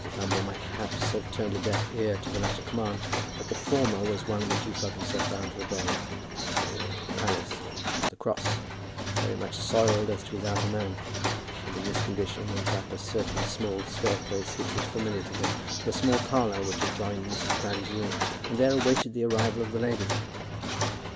Thumble might perhaps have turned a deaf ear to the latter command, but the former was one which he felt himself bound to obey. So he entered the palace, rather cross, very much soiled as to his outer man; and in this condition went up a certain small staircase which was familiar to him, to a small parlour which adjoined Mrs. Proudie's room, and there awaited the arrival of the lady.